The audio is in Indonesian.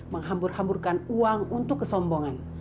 menghambur hamburkan uang untuk kesombongan